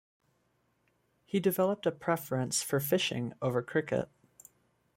He developed a preference for fishing over cricket.